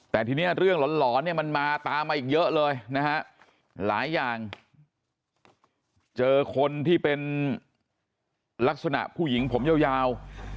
แต่ทีนี้เรื่องหลอนเนี่ยมันมาตามมาอีกเยอะเลยนะฮะหลายอย่างเจอคนที่เป็นลักษณะผู้หญิงผมยาว